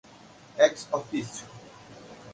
ex officio